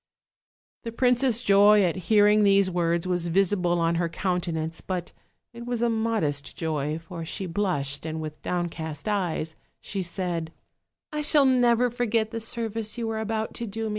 "The princess' joy at hearing these words was visible on her countenance; but it was a modest joy, for she blushed, and with downcast eyes she said: " 'I shall never forget the service you are about to do 290 OLD, OLD FAIRY TALKS.